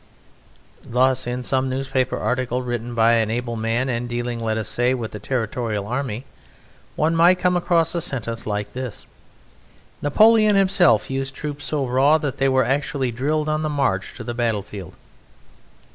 Thus in some newspaper article written by an able man, and dealing, let us say, with the territorial army, one might come across a sentence like this: "Napoleon himself used troops so raw that they were actually drilled on the march to the battlefield."